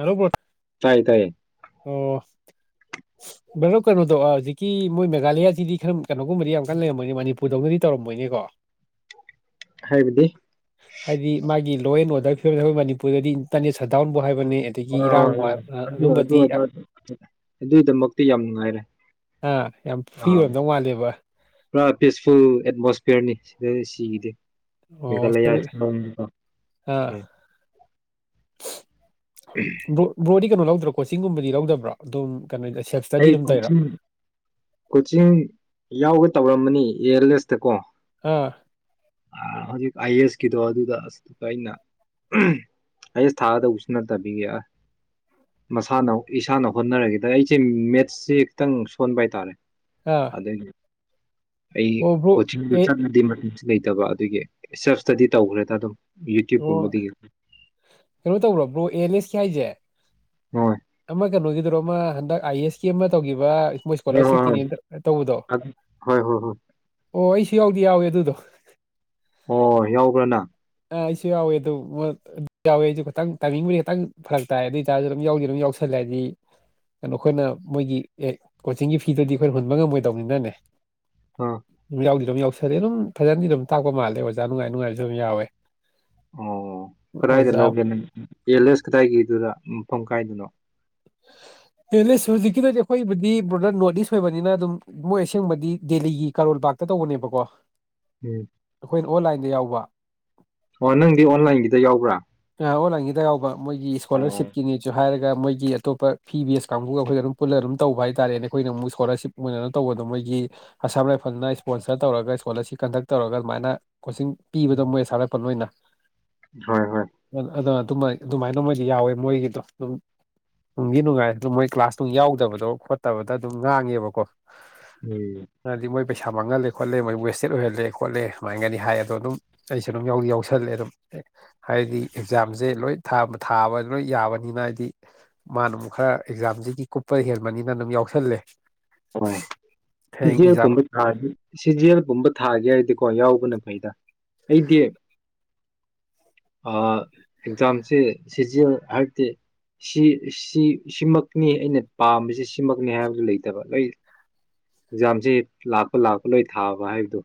ꯑꯔꯣꯕꯣ ꯇꯥꯏꯌꯦ ꯇꯥꯏꯌꯦ ꯑꯣ ꯕ꯭ꯔꯗꯣ ꯀꯩꯅꯣꯗꯣ ꯍꯧꯖꯤꯛꯀꯤ ꯃꯣꯏ ꯃꯦꯘꯥꯂꯌꯥꯁꯤꯗꯤ ꯈꯔ ꯀꯩꯅꯣꯒꯨꯝꯕꯗꯤ ꯌꯥꯝ ꯀꯟꯅ ꯂꯩꯔꯝꯃꯣꯏꯅꯦ ꯃꯅꯤꯄꯨꯔꯗꯧꯅꯗꯤ ꯇꯧꯔꯝꯃꯣꯏꯅꯦꯀꯣ ꯍꯥꯏꯕꯗꯤ ꯍꯥꯏꯗꯤ ꯃꯥꯒꯤ ꯂꯣꯏꯅ ꯑꯣꯗ ꯝ ꯑꯩꯈꯣꯏ ꯃꯅꯤꯄꯨꯔꯗꯤ ꯇꯅꯤ ꯁꯗꯥꯎꯟꯕꯨ ꯍꯥꯏꯕꯅꯤ ꯑꯗꯒꯤ ꯑꯥ ꯏꯔꯥꯡꯕꯨ ꯑꯗꯨ ꯑꯗꯨꯝꯕ ꯑꯗꯨ ꯑꯗꯨꯒꯤꯗꯃꯛꯇꯤ ꯌꯥꯝ ꯅꯨꯡꯉꯥꯏꯔꯦ ꯑꯥ ꯌꯥꯝ ꯐ꯭ꯔꯤ ꯑꯥ ꯑꯣꯏꯝꯗꯧ ꯃꯥꯂꯦꯕ ꯄꯨꯔꯥ ꯄꯤꯁꯐꯨꯜ ꯑꯦꯠꯃꯣꯁꯐꯤꯌꯔꯅꯤ ꯑꯗꯨꯗꯤ ꯁꯤꯈꯤꯗꯦ ꯑꯣ ꯃꯦꯘꯥꯂꯌꯥꯁꯤ ꯅꯣꯡ ꯑꯥ ꯎꯝ ꯣ ꯭ꯔꯣꯔꯤ ꯀꯩꯅꯣ ꯂꯧ ꯑꯗꯨ꯭ꯔ ꯀꯣꯆꯤꯡꯒꯨꯝꯕꯗꯤ ꯌꯥ ꯂꯧꯗꯕ꯭ꯔꯥ ꯑꯗꯨꯝ ꯀꯩꯅꯣ ꯁꯦꯜꯞ ꯏꯁꯇꯗꯤ ꯑꯩ ꯑꯗꯨꯝ ꯇꯧꯔꯤꯔꯣ ꯀꯣꯆꯤꯡ ꯀꯣꯆꯤꯡ ꯌꯥꯎꯒ ꯇꯧꯔꯝꯕꯅꯤ ꯑꯦꯌꯔꯂꯦꯁꯇ ꯀꯣ ꯑꯥ ꯍꯧꯖꯤꯛ ꯑꯥꯏ ꯑꯦꯁꯀꯤꯗꯣ ꯑꯗꯨꯗ ꯑꯁ ꯑꯩꯅ ꯑꯥꯏ ꯑꯦꯁ ꯊꯥꯒꯗꯧꯕꯁꯨ ꯅꯠꯇꯕꯤꯒ ꯑꯁ ꯃꯁꯥꯅ ꯏꯁꯥꯅ ꯍꯣꯠꯅꯔꯒꯦꯗ ꯑꯩ ꯁꯤ ꯃꯦꯠꯁꯁꯤ ꯈꯤꯇꯪ ꯁꯣꯟꯕ ꯍꯥꯏꯇꯥꯔꯦ ꯑꯥ ꯑꯗ ꯑꯩ ꯑꯣ ꯕ꯭ꯔꯣ ꯀꯣꯆꯤꯡꯗꯨ ꯑꯦ ꯆꯥꯟ ꯅꯗꯤ ꯂꯩ ꯇꯕ ꯑꯗꯨꯒꯤ ꯁꯦꯜꯞ ꯏꯁꯇꯗꯤ ꯇꯧꯈ꯭ꯔꯦꯗ ꯑꯗꯨꯝ ꯑꯣ ꯌꯨꯇ꯭ꯌꯨꯕꯀꯨꯝꯕꯗꯒꯤ ꯀꯩꯅꯣ ꯇꯧꯔꯕ꯭ꯔꯣ ꯑꯦꯂꯤꯁ ꯀꯏꯖꯦ ꯍꯣꯏ ꯑꯃ ꯀꯩꯅꯣꯒꯗꯔꯣ ꯑꯃ ꯍꯟꯗꯛ ꯑꯥꯏ ꯑꯦꯁ ꯀꯤ ꯑꯃ ꯇꯧꯈꯤꯕ ꯃꯣꯏ ꯍꯣꯏ ꯍꯣꯏ ꯍꯣꯏ ꯏꯁꯀꯣꯂꯥꯔꯁꯤꯞꯀꯤꯅꯦꯅ ꯇꯧꯕꯗꯣ ꯍꯣꯏ ꯍꯣꯏ ꯍꯣꯏ ꯑꯣ ꯑꯩꯁꯨ ꯌꯥꯎꯗꯤ ꯌꯥꯎꯋꯦ ꯑꯗꯨꯗꯣ ꯑꯣ ꯌꯥꯎꯕ꯭ꯔꯅ ꯑꯥ ꯑꯩꯁꯨ ꯌꯥꯎꯋꯦ ꯑꯗꯨ ꯃ ꯑꯗꯨ ꯌꯥꯎꯋꯦ ꯑꯩꯁꯨ ꯈꯤꯇꯪ ꯇꯥꯏꯃꯤꯡꯕꯨꯗꯤ ꯈꯤꯇꯪ ꯐꯔꯛ ꯇꯥꯏ ꯑꯗꯨ ꯑꯣꯏꯇꯥꯔꯁꯨ ꯑꯗꯨꯝ ꯌꯥꯎꯗꯤ ꯑꯗꯨꯝ ꯌꯥꯎꯁꯜꯂꯦ ꯍꯥꯏꯗꯤ ꯀꯩꯅꯣ ꯑꯩꯈꯣꯏꯅ ꯃꯣꯏꯒꯤ ꯑꯦ ꯀꯣꯆꯤꯡꯒꯤ ꯐꯤꯗꯨꯗꯤ ꯑꯩꯈꯣꯏꯅ ꯍꯨꯟꯕ ꯉꯝꯃꯣꯏꯗꯧꯅꯤꯅꯅꯦ ꯑꯥ ꯌꯥꯎꯗ ꯔꯃꯤ ꯁꯗꯤ ꯑꯗꯨꯝ ꯐꯖꯅꯗꯤ ꯑꯗꯨꯝ ꯇꯥꯛꯄ ꯃꯥꯜꯂꯦ ꯑꯣꯥ ꯅꯨꯡꯉꯥꯏ ꯅꯨꯡꯉꯥꯏꯅꯁꯨ ꯑꯗꯨꯝ ꯌꯥꯎꯋꯦ ꯑꯣ ꯀꯗꯥꯏꯗ ꯑꯣꯖꯥ ꯂꯧꯒꯦ ꯅ ꯑꯦꯂꯦꯁ ꯀꯗꯥꯏꯒꯤꯗꯨꯗ ꯃꯐꯝ ꯀꯥꯏꯗꯅꯣ ꯂꯁ ꯍꯧꯖꯤꯛꯀꯤꯗꯨꯗꯤ ꯑꯩꯈꯣꯏꯕꯨꯗꯤ ꯕ꯭ꯔꯣꯗꯔ ꯅꯣꯔꯠ ꯏꯁ ꯑꯣꯏꯕꯅꯤꯅ ꯑꯗꯨꯝ ꯃꯣꯏ ꯑꯁꯦꯡꯕꯗꯤ ꯗꯦꯜꯂꯤꯒꯤ ꯀꯥꯔꯣꯜꯄꯥꯛꯇ ꯇꯧꯕꯅꯦꯕꯀꯣ ꯎꯝ ꯑꯩꯣꯏ ꯑꯣꯟꯂꯥꯏꯟꯗ ꯌꯥꯎꯕ ꯑꯣ ꯅꯪꯗꯤ ꯑꯣꯟꯂꯥꯏꯟꯒꯤꯗ ꯌꯥꯎꯕ꯭ꯔꯥ ꯏ ꯌꯥꯎꯕ ꯃꯣꯏꯒꯤ ꯑꯣ ꯏꯁꯀꯣꯂꯔꯁꯤꯞꯀꯤꯅꯦꯁꯨ ꯍꯥꯏꯔꯒ ꯃꯣꯏꯒꯤ ꯑꯇꯣꯞꯄ ꯐꯤ ꯕꯦꯁ ꯀꯥꯡꯕꯨꯒ ꯑꯩꯈꯣꯏꯗ ꯑꯗꯨꯝ ꯄꯨꯜꯂ ꯑꯗꯨꯝ ꯇꯧꯕ ꯍꯥꯏ ꯇꯥꯔꯦꯅꯦ ꯑꯩꯈꯣꯏꯅ ꯑꯃꯨꯛ ꯏꯁꯀꯣꯂꯔꯁꯤꯞ ꯑꯣꯏꯅꯅ ꯇꯧꯕꯗꯣ ꯃꯣꯏꯒꯤ ꯑꯁꯥꯝ ꯔꯥꯏꯐꯜꯅ ꯏꯁꯄꯣꯟꯁꯔ ꯇꯧꯔꯒ ꯏꯁꯀꯣꯂꯔꯁꯤꯞ ꯀꯟꯗꯛ ꯇꯧꯔꯒ ꯑꯗꯨꯃꯥꯏꯅ ꯀꯣꯆꯤꯡ ꯄꯤꯕꯗꯣ ꯃꯣꯏ ꯑꯁꯥꯔꯛꯄꯜ ꯑꯣꯏꯅ ꯍꯣꯏ ꯍꯣꯏ ꯑꯗꯨꯅ ꯑꯗꯨꯃ ꯑꯗꯨꯃꯥꯏꯅ ꯃꯣꯏꯗꯤ ꯌꯥꯎꯋꯦ ꯃꯣꯏꯒꯤꯗꯣ ꯑꯗꯨꯝ ꯅꯨꯡꯒꯤ ꯅꯨꯡꯉꯥꯏꯔꯦ ꯑꯗꯨꯝ ꯃꯣꯏ ꯀ꯭ꯂꯥꯁ ꯅꯨꯡ ꯌꯥꯎꯗꯕꯗꯣ ꯈꯣꯠꯇꯕꯗ ꯑꯗꯨꯝ ꯉꯥꯡꯉꯦꯕꯀꯣ ꯎꯝ ꯍꯥꯏꯗꯤ ꯃꯣꯏ ꯄꯩꯁꯥ ꯃꯥꯡꯍꯜꯂꯦ ꯈꯣꯠꯂꯦ ꯃꯣꯏ ꯋꯦꯁꯇꯦꯠ ꯑꯣꯏꯍꯜꯂꯦ ꯈꯣꯠꯂꯦ ꯁꯨꯃꯥꯏꯅꯒ ꯍꯥꯏ ꯑꯗꯣ ꯑꯗꯨꯝ ꯑꯩꯁꯨ ꯑꯗꯨꯝ ꯌꯥ ꯌꯥꯎꯁꯜꯂꯦ ꯑꯗꯨꯝ ꯍꯥꯏꯗꯤ ꯑꯦꯛꯖꯥꯝꯁꯦ ꯂꯣꯏ ꯊꯥꯕ ꯂꯣꯏ ꯌꯥꯕꯅꯤꯅ ꯍꯥꯏꯗꯤ ꯃꯥꯅ ꯑꯃꯨꯛ ꯈꯔ ꯑꯦꯛꯖꯥꯝꯁꯤꯒꯤ ꯀꯨꯞꯄ ꯍꯦꯟꯕꯅꯤꯅ ꯑꯗꯨꯝ ꯌꯥꯎꯁꯜꯂꯦ ꯍ ꯍꯌꯦꯡ ꯁꯤꯨꯝ ꯑꯦꯛꯖꯥꯝ ꯊꯥ ꯁꯤꯖꯤꯦꯜꯒꯨꯝꯕ ꯊ ꯊꯥꯒꯦ ꯍꯥꯏꯔꯗꯤꯀꯣ ꯌꯥꯎꯕꯅ ꯐꯩꯗ ꯑꯩꯗꯤ ꯑꯦꯛꯖꯥꯝꯁꯦ ꯁꯤꯖꯤꯦꯜ ꯍꯥꯏꯕꯗꯤ ꯁꯤ ꯁꯤꯃꯛꯅꯤ ꯑꯩꯅ ꯄꯥꯝꯕꯁꯤꯦ ꯁꯤꯃꯛꯅꯤ ꯍꯥꯏꯕꯗꯨ ꯂꯩꯇ ꯅꯠꯇꯕ ꯂꯣꯏ ꯑꯦꯛꯖꯥꯝꯁꯤ ꯂꯥꯛꯄ ꯂꯥꯛꯄ ꯂꯣꯏ ꯊꯥꯕ ꯍꯥꯏꯕꯗꯣ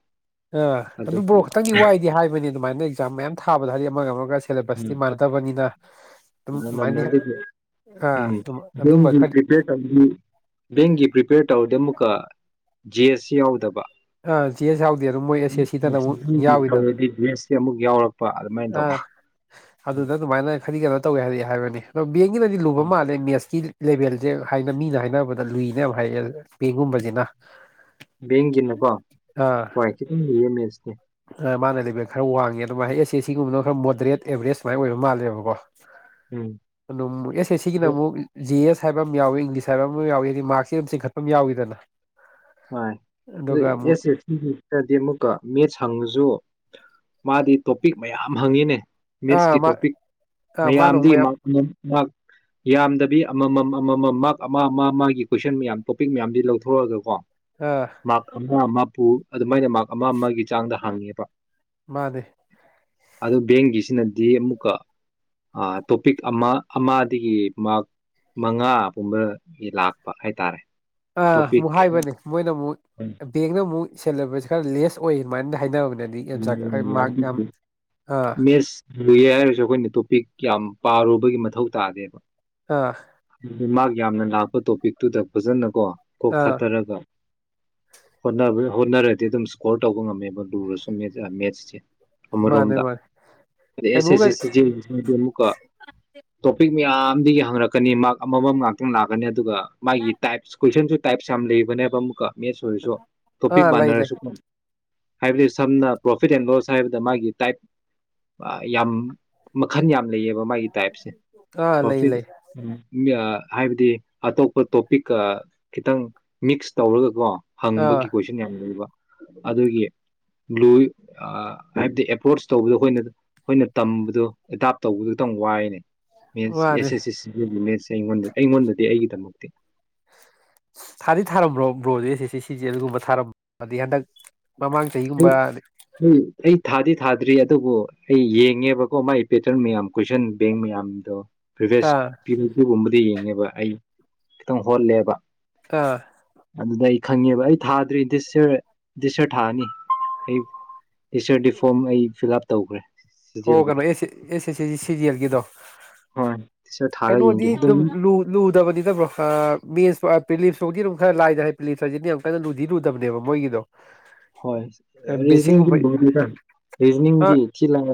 ꯑ ꯑꯗꯨ ꯕ꯭ꯔꯣ ꯈꯈꯤꯇꯪꯗꯤ ꯋꯥꯏꯗꯤ ꯍꯥꯏꯕꯅꯤꯅ ꯑꯗꯨꯃꯥꯏꯅ ꯑꯦꯛꯖꯥꯝ ꯃꯌꯥꯝ ꯊꯥꯕꯗ ꯍꯥꯏꯗꯤ ꯑꯃꯒ ꯑꯃꯒ ꯁꯤꯦꯂꯕꯁꯇ ꯃꯔꯗꯕꯅꯤꯅ ꯃꯦ ꯑꯗꯨꯗꯤ ꯑꯥ ꯎꯝ ꯑꯗꯨꯝꯕ ꯈꯔꯗꯤ ꯕꯒꯤ꯭ꯔꯤꯄ ꯇ ꯕꯦꯡꯒꯤ ꯄ꯭ꯔꯤꯄꯦꯌꯔ ꯇꯧꯔꯗꯤ ꯑꯃꯨꯛꯀ ꯖꯤ ꯑꯦꯁ ꯁꯤ ꯌꯥꯎꯗꯕ ꯑꯥ ꯆꯦ ꯑꯦꯁ ꯌꯥꯎꯗꯦ ꯑꯗꯨꯝ ꯃꯣꯏ ꯑꯦꯁ ꯑꯦꯁ ꯁꯤꯗꯅ ꯑꯃꯨꯛ ꯎ ꯇ ꯗ꯭ꯔꯦꯁꯁꯤ ꯑꯃꯨꯛ ꯌꯥꯎꯔꯛꯄ ꯑꯗꯨꯃꯥꯏꯅ ꯑ ꯇꯧꯕ ꯎꯝ. ꯑꯗꯨꯗ ꯑꯗꯨꯃꯥꯏꯅ ꯈꯔꯤ ꯀꯩꯅꯣ ꯇꯧꯏꯦ ꯍꯥꯏꯔꯤꯑꯦ ꯍꯥꯏꯕꯅꯤ ꯕꯦꯡꯒꯤꯅꯗꯤ ꯂꯨꯕ ꯍꯣꯏ. ꯃꯥꯜꯂꯦ ꯃꯦꯁꯀꯤ ꯂꯦꯚꯦꯜꯁꯦ ꯍꯥꯏꯅ ꯃꯤꯅ ꯍꯥꯏꯅꯕꯗ ꯂꯨꯏꯅꯦ ꯌꯥꯝ ꯍꯥꯏꯔꯛꯦ ꯄꯦꯡꯒꯨꯝꯕꯁꯤꯅ ꯕꯦꯡꯒꯤꯅꯀꯣ ꯍꯣꯏ ꯈꯤꯇꯪ ꯌꯦꯔꯦꯝꯃꯦꯁꯅꯦ ꯃꯥꯅ ꯂꯦꯚꯦꯜ ꯈꯔ ꯋꯥꯡꯉꯦ ꯑꯗꯨꯃꯥꯏꯅ ꯑꯦꯁ ꯑꯦ ꯁꯤꯒꯨꯝꯕꯅ ꯈꯔ ꯃꯣꯗꯦꯠ ꯑꯦꯕꯔꯦꯖ ꯁꯨꯃꯥꯏ ꯑꯣꯏꯕ ꯃꯥꯜꯂꯦꯕꯀꯣ ꯎꯝ ꯌꯦꯁꯦ ꯑꯗꯨ ꯁꯤꯒꯤꯅꯃꯨ ꯖꯤ ꯑꯦꯁ ꯍꯥꯏꯕ ꯑꯃ ꯌꯥꯎꯏꯤ ꯏꯪꯂꯤꯁ ꯍꯥꯏꯕ ꯑꯃ ꯌꯥꯎꯏ ꯍꯥꯏꯗꯤ ꯃꯥꯔꯁꯁꯤꯦꯝ ꯆꯤꯡꯈꯠꯄ ꯑꯃ ꯌꯥꯎꯏꯗꯅ ꯍꯣꯏ ꯑꯗꯨ ꯑꯗꯨꯒ ꯑꯃꯨꯛ ꯑꯦꯁ ꯑꯦ ꯁꯤꯗꯤ ꯑꯃꯨꯛꯀꯦ ꯁꯪꯉꯁꯨ ꯃꯥꯗꯤ ꯇꯣꯄꯤꯛ ꯃꯌꯥꯝ ꯍꯪꯉꯤꯅꯦ ꯑꯥ ꯃꯤꯠꯁꯀꯤ ꯃꯥ ꯇꯣꯄꯤꯛ ꯑꯥ ꯃꯥꯅ ꯑꯃꯨꯛ ꯃꯌꯥꯝꯗꯤ ꯃꯌꯥꯝ ꯌꯥꯝꯗꯕꯤ ꯑꯃꯃꯝ ꯑꯃꯃꯝ ꯃꯥꯔ ꯑꯃ ꯑꯃ ꯃꯥ ꯀꯣꯏꯁꯟ ꯃꯌꯥꯝ ꯇꯣꯄꯤꯛ ꯃꯌꯥꯝꯁꯤ ꯂꯧꯊꯣꯔꯛꯑꯒ ꯀꯣ ꯑꯥ ꯃꯥꯄ ꯍꯥꯐꯨ ꯑꯗꯨꯃꯥꯏꯅ ꯃꯥꯔ ꯑꯃ ꯑꯃꯒꯤ ꯆꯥꯡꯗ ꯍꯥꯡꯉꯦꯕ ꯃꯥꯗꯦ ꯑꯗꯨ ꯕꯦꯡꯒꯤꯁꯤꯅꯗꯤ ꯑꯃꯨꯛꯀ ꯇꯣꯄꯤꯛ ꯑꯃ ꯑꯃꯗꯒꯤ ꯃꯥꯔꯛ ꯃꯉꯥꯒꯨꯝꯕꯒꯤ ꯂꯥꯛꯄ ꯍꯥꯏꯇꯥꯔꯦ ꯑꯕꯨ ꯇꯣꯄꯤꯛ ꯍꯥꯏꯕꯅꯤ ꯃꯣꯏꯅ ꯑꯃꯨꯛ ꯕꯦꯒꯅ ꯑꯃꯨꯛ ꯁꯦꯂꯦꯕꯁ ꯈꯔ ꯂꯦꯁ ꯑꯣꯏ ꯑꯗꯨꯃꯥꯏꯅ ꯍꯥꯏꯅꯕꯅꯦ ꯑꯗꯨꯗꯤ ꯑꯦꯝꯆꯥꯛ ꯎꯝ ꯃꯥꯔꯛ ꯌꯥꯝ ꯑꯥ ꯃꯦꯁ ꯂꯨ ꯍꯥꯏꯔꯁꯨ ꯑꯩꯈꯣꯏꯅ ꯇꯣꯄꯤꯛ ꯌꯥꯝ ꯄꯥꯔꯨꯕꯒꯤ ꯃꯊꯧ ꯇꯥꯗꯦꯕ ꯑꯥ ꯃꯥ ꯌꯥꯝꯅ ꯂꯥꯛꯄ ꯇꯣꯄꯤꯛꯇꯨꯗ ꯐꯖꯅ ꯀꯣ ꯀꯣꯛ ꯑꯥ ꯊꯥꯗꯔꯒ ꯍꯣꯠꯅꯕ ꯍꯣꯠꯅꯔꯗꯤ ꯑꯗꯨꯝ ꯏꯁꯀꯣꯔ ꯇꯧꯕ ꯉꯝꯃꯦꯕ ꯂꯨꯔꯁꯨ ꯃꯦꯦ ꯃꯥꯅꯦ ꯑꯃꯔꯣꯝꯗꯁ ꯃꯥꯅꯦ ꯑꯦꯁ ꯀꯩꯅꯣꯒ ꯑꯦ ꯑꯃꯨꯛꯀ ꯇꯣꯄꯤꯛ ꯃꯌꯥꯝꯗꯒꯤ ꯍꯪꯉꯔꯛꯀꯅꯤ ꯃꯥ ꯑꯃꯃꯝ ꯉꯥꯛꯇꯪ ꯂꯥꯛꯀꯅꯤ ꯑꯗꯨꯒ ꯃꯥꯒꯤ ꯇꯥꯏꯁ ꯀ꯭ꯋꯟ ꯇꯥꯏꯞ ꯁꯝꯂ ꯏꯕꯅꯦꯕ ꯑꯃꯥ ꯃꯦꯠꯁ ꯑꯣꯏꯔꯁꯨ ꯇꯣꯄꯤꯛ ꯑꯥ ꯂꯩ ꯂꯩ ꯃꯥꯟꯅꯔꯁꯨ ꯐꯥꯏꯕꯗꯤ ꯁꯝꯅ ꯄ꯭ꯔꯣꯐꯤꯠ ꯑꯦꯟ ꯂꯣꯁ ꯍꯥꯏꯕꯗ ꯃꯥꯒꯤ ꯇꯥꯏꯞ ꯌꯥꯝ ꯃꯈꯜ ꯌꯥꯝ ꯂꯩꯌꯦꯕ ꯃꯥꯒꯤ ꯇꯥꯏꯞꯁꯦ ꯑꯥ ꯂꯩ ꯄ꯭ꯔꯣꯐꯤꯠ ꯂꯩ ꯍꯥꯏꯕꯗꯤ ꯑꯇꯣꯞꯄ ꯇꯣꯄꯤꯛꯀ ꯈꯤꯇꯪ ꯃꯤꯛꯁ ꯇꯧꯔꯒꯀꯣ ꯑꯥ ꯍꯪꯕꯒꯤ ꯀꯣꯏꯁꯟ ꯌꯥꯝ ꯂꯩꯕ ꯑꯗꯨꯒꯤ ꯕ꯭ꯂꯨ ꯍꯥꯏꯕꯗꯤ ꯑꯦꯄ꯭ꯔꯣꯆ ꯇꯧꯕꯗꯣ ꯑꯩꯈꯣꯏꯅ ꯑꯩꯈꯣꯏꯅ ꯇꯝꯕꯗꯣ ꯑꯦꯗꯥꯞ ꯇꯧꯕꯗꯨ ꯈꯤꯇꯪ ꯋꯥꯏꯅꯦ ꯁ ꯃꯥꯅꯦ ꯑꯩꯉꯣꯟꯗꯗꯤ ꯑꯩꯉꯣꯟꯗꯗꯤ ꯑꯩꯒꯤꯗꯃꯛꯇꯤ ꯊꯥꯗꯤ ꯊꯥꯔꯝꯕ꯭ꯔꯣ ꯕ꯭ꯔꯣꯁ ꯁꯤ ꯁꯤ ꯁꯤꯁꯦ ꯑꯗꯨꯒꯨꯝꯕ ꯊꯥꯔꯝꯗꯤ ꯍꯟꯗꯛ ꯃꯃꯥꯡ ꯑꯩ ꯆꯍꯤꯒꯨꯝꯕ ꯑ ꯑꯩ ꯑꯩ ꯊꯥꯗꯤ ꯊꯥꯗ꯭ꯔꯤ ꯑꯗꯨꯕꯨ ꯑꯩ ꯌꯦꯡꯉꯦꯕꯀꯣ ꯃꯥꯒꯤ ꯄꯦꯇꯔꯟ ꯃꯌꯥꯝ ꯀꯨꯣꯏꯁꯟ ꯕꯦꯡ ꯃꯌꯥꯝꯗꯣ ꯄꯁ ꯑꯥ ꯄꯤꯒꯝꯕꯗꯤ ꯌꯦꯡꯉꯦ ꯑꯗꯨꯒ ꯑꯩ ꯈꯤꯇꯪ ꯍꯣꯜꯂꯦꯕ ꯑꯥ ꯑꯗꯨꯗ ꯑꯩ ꯈꯪꯉꯦꯕ ꯑꯩ ꯊꯥꯗ꯭ꯔꯤꯟꯗꯤꯔꯟꯗꯤꯁꯔꯠ ꯊꯥꯑꯅꯤ ꯍ ꯏꯁꯔ ꯗꯤ ꯐꯣꯝ ꯑꯩ ꯐꯤꯜ ꯑꯞ ꯇꯧꯈ꯭ꯔꯦ ꯑꯣ ꯁꯤꯖꯦꯜꯒꯤꯗꯣ ꯀꯩꯅꯣ ꯑꯦ ꯑꯦꯁ ꯑꯦꯁ ꯑꯦ ꯁꯤꯔꯤꯌꯦꯜꯒꯤꯗꯣ ꯍꯣꯏ ꯗꯤꯁ ꯌꯔ ꯊꯥꯔ ꯌꯦꯡꯒꯦ ꯀꯩꯅꯣꯗꯤ ꯑꯗꯨꯝ ꯂꯨꯗꯕꯅꯤꯠꯇꯕ꯭ꯔꯣ ꯃꯦꯟꯁ ꯄꯤꯂꯤꯞꯁꯨꯥꯎꯗꯤ ꯑꯗꯨꯝ ꯈꯔ ꯂꯥꯏꯗ ꯍꯥꯏ ꯄꯤꯂꯤꯞ ꯍꯥꯏꯁꯤꯗꯤꯅ ꯌꯥꯝ ꯀꯟꯅꯨꯗꯤꯔꯨꯗꯕ ꯃꯣꯏꯒꯤꯗꯣ ꯍꯣꯏ ꯔꯤꯖꯅꯤꯡꯒꯤ ꯕꯦꯁꯤꯛꯒꯨꯝꯕ ꯔꯤꯖꯅꯤꯡꯒꯤ ꯊꯤ ꯂꯪ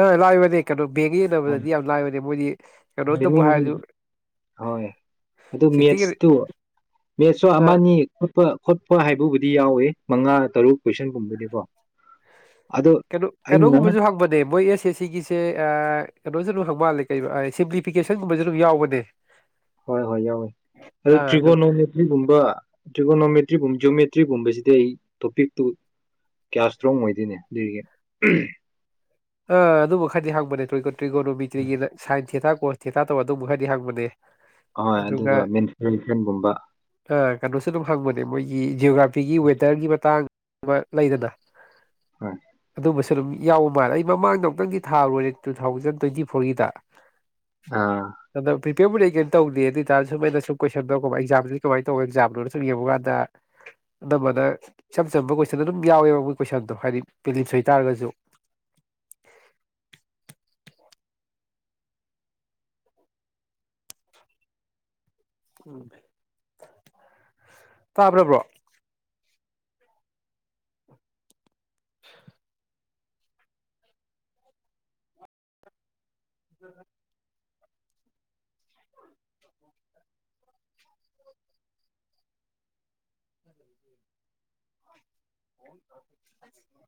ꯑ ꯂꯥꯏꯕꯦꯔꯤ ꯀꯩꯅꯣ ꯦꯒ ꯅ ꯌꯥꯝ ꯂꯥꯏꯕꯔꯤ ꯑꯗꯨ ꯃꯣꯏ ꯍꯣꯏ ꯑꯗꯨ ꯁꯤꯇꯤꯒꯤ ꯃꯦꯠꯁꯇꯨ ꯃꯦꯠꯁꯁꯨ ꯑꯥ ꯑꯃꯅꯤꯠꯄ ꯈꯣꯠꯄ ꯍꯥꯏꯕꯕꯨꯗꯤ ꯌꯥꯎꯋꯤ ꯃꯉꯥ ꯇꯔꯨꯛ ꯀꯣꯏꯁꯟ ꯄꯨꯝꯕꯅꯤꯀꯣ ꯀꯩꯅꯣ ꯀꯩꯅꯣꯒꯨꯝꯕꯁꯨ ꯍꯪꯕꯅꯦ ꯃꯣꯏ ꯑꯦꯁ ꯑꯦ ꯁꯤꯒꯤꯁꯦ ꯅꯣꯁꯨ ꯑꯗꯨꯝ ꯍꯪ ꯃꯥꯜꯂꯦ ꯀꯩ ꯁꯤꯝꯄꯂꯤꯐꯤꯀꯦꯁꯟꯒꯨꯝꯕꯁꯨ ꯑꯗꯨꯝ ꯌꯥꯎꯕꯅꯦ ꯍꯣꯏ ꯍꯣꯏ ꯌꯥꯎꯋꯦ ꯑꯗꯨ ꯑꯥ ꯑꯗꯨꯝ ꯇ꯭ꯔꯤꯒꯣꯅꯣꯃꯦꯇ꯭ꯔꯤꯒꯨꯝꯕ ꯇ꯭ꯔꯤꯒꯣꯅꯣꯃꯦꯇ꯭ꯔꯤꯒꯨꯝꯕ ꯖꯌꯣꯃꯦꯇ꯭ꯔꯤꯒꯨꯝꯕꯁꯤꯗꯤ ꯑꯩ ꯇꯣꯄꯤꯛꯇꯨ ꯀꯌꯥ ꯏꯁꯇ꯭ꯔꯣꯡ ꯑꯣꯏꯗꯦ ꯑꯗꯨꯅꯦ ꯑꯗꯨꯒ ꯑ ꯑꯗꯨꯃ ꯈꯔꯗꯤ ꯍꯪꯕꯅꯦ ꯇ꯭ꯔꯤꯒꯣꯅꯣꯃꯤꯇ꯭ꯔꯤꯒꯤꯅ ꯁꯥꯏꯟꯁ ꯍꯦꯊꯥꯛ ꯀꯣꯁ ꯊꯤ ꯊꯥ ꯇꯕ ꯑꯗꯨꯕꯨ ꯍꯥꯏꯗꯤ ꯍꯪꯕꯅꯦ ꯑꯣꯏ ꯑꯗꯨꯒ ꯃꯦꯟꯁꯤꯦꯟꯁꯟꯒꯨꯝꯕ ꯑꯥ ꯀꯩꯅꯣꯁꯨ ꯑꯗꯨꯝ ꯍꯪꯕꯅꯦ ꯃꯣꯏꯒꯤ ꯖꯤꯑꯣꯒ꯭ꯔꯥꯐꯤꯒꯤ ꯋꯦꯗꯔꯒꯤ ꯃꯇꯥꯡ ꯑꯃ ꯂꯩꯗꯅ ꯍꯣꯏ ꯑꯗꯨ ꯑꯗꯨꯁ ꯔꯝ ꯌꯥꯎ ꯃꯥꯜ ꯃꯃꯥꯡꯗ ꯑꯃꯨꯛꯇꯪꯒꯤ ꯊꯥ ꯂꯣꯏꯔꯦ ꯇꯨ ꯊꯥꯎꯖꯟ ꯇ꯭ꯋꯦꯟꯇꯤ ꯐꯣꯔꯒꯤꯗ ꯑꯥ ꯀꯦꯕꯨꯗꯤ ꯀꯩꯅꯣ ꯇꯧꯗꯦ ꯑꯗꯨ ꯑꯣꯏꯇꯥꯔ ꯁꯨꯝ ꯑꯩꯅ ꯁꯨꯝ ꯀꯣꯏꯁꯟꯗ ꯑꯦꯛꯖꯥꯝꯁꯤꯗꯤ ꯀꯃꯥꯏꯅ ꯇꯧꯋꯤ ꯑꯦꯛꯖꯥꯝꯗꯨꯣꯅ ꯁꯨꯝ ꯌꯦꯡꯕ ꯀꯥꯟꯗ ꯑꯅꯝꯕꯅ ꯏꯆꯝ ꯆꯝꯕ ꯀꯣꯏꯁꯟ ꯑꯗꯨꯝ ꯌꯥꯎꯋꯦꯕ ꯃꯣꯏ ꯀꯣꯏꯁꯟꯗꯣ ꯍꯥꯏꯗꯤ ꯄꯦꯂꯤꯟꯁ ꯑꯣꯏꯇꯥꯥꯔꯒꯁꯨ ꯎꯝ ꯇꯥꯕ꯭ꯔꯕ꯭ꯔꯣ [unintelligible] ꯎ ꯎ